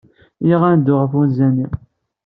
Iyya ad nedlu ɣef unza-nni.